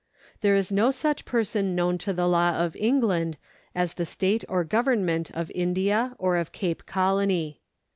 There is no such person known to the law of England as the state or government of India or of Cape Colony.